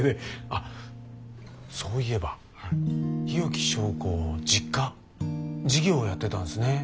あっそういえば日置昭子の実家事業をやってたんですね。